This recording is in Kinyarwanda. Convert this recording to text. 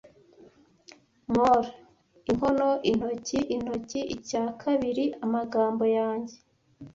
Maul, inkono, intoki-intoki, icya kabiri amagambo yanjye.